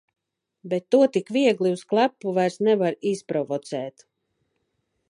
Bet to tik viegli uz klepu vairs nevar izprovocēt.